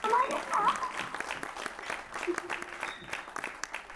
乐景涛生于清朝光绪十年。